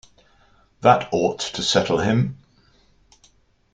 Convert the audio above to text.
That ought to settle him!